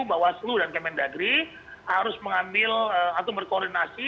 bawaslu dan kementerian negeri harus mengambil atau berkoordinasi